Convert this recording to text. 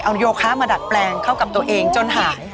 เอาโยคะมาดัดแปลงเข้ากับตัวเองจนหาย